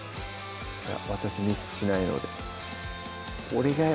「いや私ミスしないので」